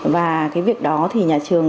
và cái việc đó thì nhà trường